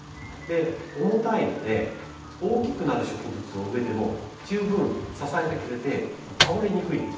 重たいので大きくなる植物を植えても十分支えてくれて倒れにくいんですよ。